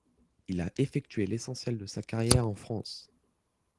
Il a effectué l'essentiel de sa carrière en France.